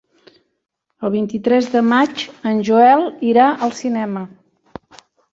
El vint-i-tres de maig en Joel irà al cinema.